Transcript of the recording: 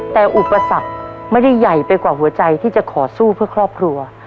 แต่อุปสรรคไม่ได้ใหญ่ไปกว่าหัวใจที่จะขอสู้เพื่อครอบครัว